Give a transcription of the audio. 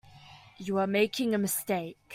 You are making a mistake.